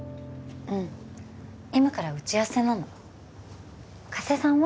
うん今から打ち合わせなの加瀬さんは？